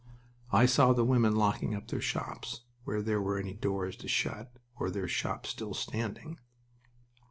I saw the women locking up their shops where there were any doors to shut or their shop still standing.